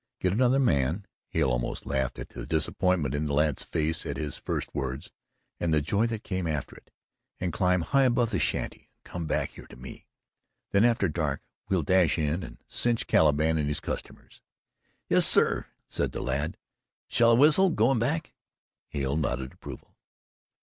Get another man" Hale almost laughed at the disappointment in the lad's face at his first words, and the joy that came after it "and climb high above the shanty and come back here to me. Then after dark we'll dash in and cinch Caliban and his customers." "Yes, sir," said the lad. "Shall I whistle going back?" Hale nodded approval.